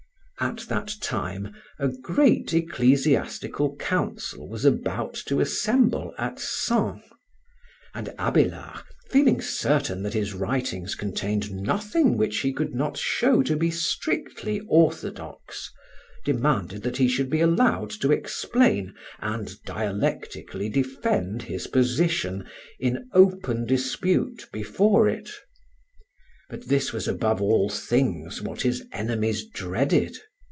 At that time a great ecclesiastical council was about to assemble at Sens; and Abélard, feeling certain that his writings contained nothing which he could not show to be strictly orthodox, demanded that he should be allowed to explain and dialectically defend his position, in open dispute, before it. But this was above all things what his enemies dreaded.